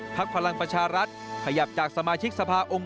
พลังประชารัฐขยับจากสมาชิกสภาองค์